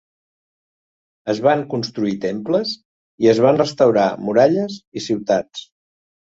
Es van construir temples i es van restaurar muralles i ciutats.